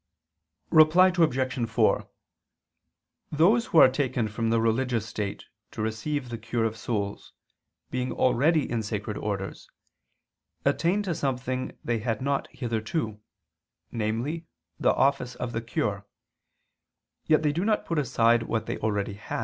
Reply Obj. 4: Those who are taken from the religious state to receive the cure of souls, being already in sacred orders, attain to something they had not hitherto, namely the office of the cure, yet they do not put aside what they had already.